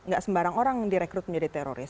gak sembarang orang direkrut menjadi teroris